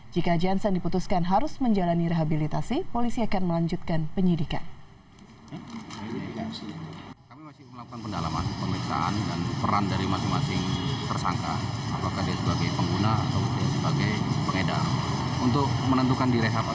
jika janson diputuskan harus menjalani rehabilitasi polisi akan melanjutkan penyidikan